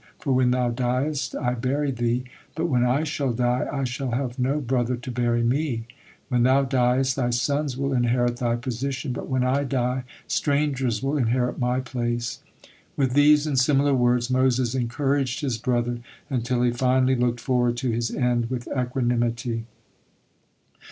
For when thou diest, I bury thee, but when I shall die, I shall have no brother to bury me. When thou diest, thy sons will inherit thy position, but when I die, strangers will inherit my place." With these and similar words Moses encouraged his brother, until he finally looked forward to his end with equanimity.